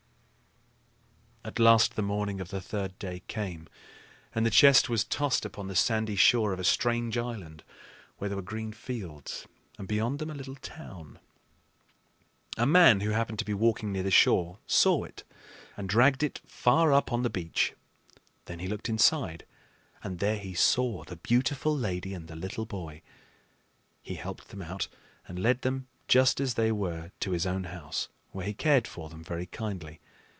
At last the morning of the third day came, and the chest was tossed upon the sandy shore of a strange island where there were green fields and, beyond them, a little town. A man who happened to be walking near the shore saw it and dragged it far up on the beach. Then he looked inside, and there he saw the beautiful lady and the little boy. He helped them out and led them just as they were to his own house, where he cared for them very kindly.